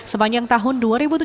sepanjang tahun dua ribu tujuh belas